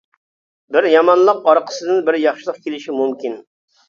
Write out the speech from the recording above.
بىر يامانلىق ئارقىسىدىن بىر ياخشىلىق كېلىشى مۇمكىن.